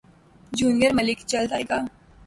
junior Malik جلد ائے گا